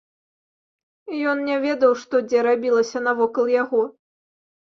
Ён не ведаў, што дзе рабілася навокал яго.